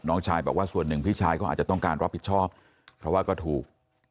น้องชายบอกว่าส่วนหนึ่งพี่ชายก็อาจจะต้องการรับผิดชอบเพราะว่าก็ถูก